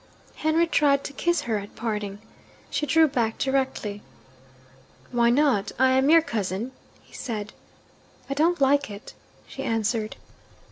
Henry tried to kiss her at parting. She drew back directly. 'Why not? I am your cousin,' he said. 'I don't like it,' she answered.